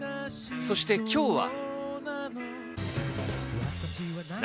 そして今日は。